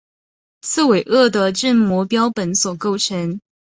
刺猬鳄的正模标本所构成。